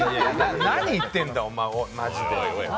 何言ってんだよ、お前、マジで。